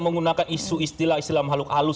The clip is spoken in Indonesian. menggunakan isu istilah istilah mahluk alus